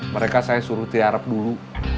mereka saya suruh tiarap dulu